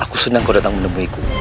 aku senang kau datang menemui ku